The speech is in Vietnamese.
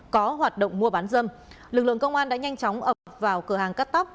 có hoạt động mua bán dâm lực lượng công an đã nhanh chóng ập vào cửa hàng cắt tóc